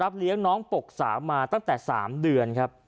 เลี้ยงน้องปกสาวมาตั้งแต่๓เดือนครับ